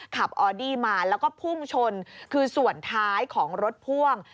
ออดี้มาแล้วก็พุ่งชนคือส่วนท้ายของรถพ่วง